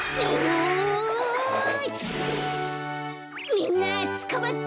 みんなつかまって！